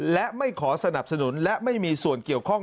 และไม่ขอสนับสนุนและไม่มีส่วนเกี่ยวข้อง